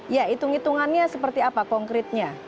ya itung itungannya seperti apa konkretnya